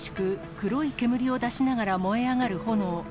黒い煙を出しながら燃え上がる炎。